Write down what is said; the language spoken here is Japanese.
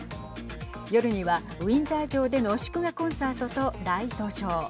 夜にはウィンザー城での祝賀コンサートとライトショー。